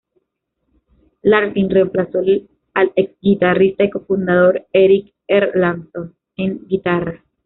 Larkin reemplazó al ex guitarrista y cofundador, Eric Erlandson en guitarra.